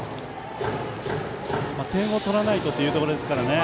点を取らないとというところですからね。